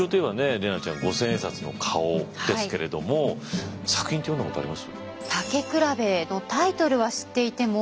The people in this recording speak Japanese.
怜奈ちゃん五千円札の顔ですけれども作品って読んだことあります？